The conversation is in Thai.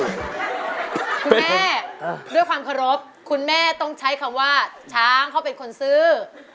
คุณแม่ด้วยความเคารพคุณแม่ต้องใช้คำว่าช้างเขาเป็นคนซื้อ